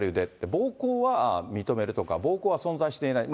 暴行は認めるとか、暴行は存在していない。